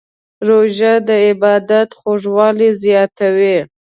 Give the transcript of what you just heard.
روژه د عبادت خوږوالی زیاتوي.